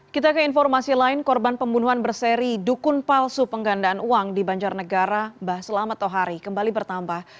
kita ke informasi lain korban pembunuhan berseri dukun palsu penggandaan uang di banjarnegara mbah selamat tohari kembali bertambah